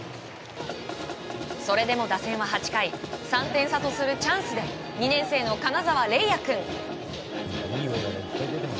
それでも打線は８回３点差とするチャンスで２年生の金沢玲哉君。